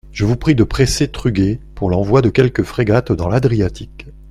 Je vous prie de presser Truguet pour l'envoi de quelques frégates dans l'Adriatique.